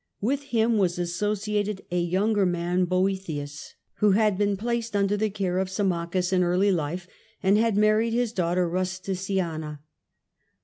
With him r as associated a younger man, Boethius, who had been laced under the care of Symmachus in early life and had larried his daughter Rusticiana.